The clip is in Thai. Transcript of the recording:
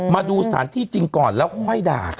มาดูสถานที่จริงก่อนแล้วค่อยด่ากัน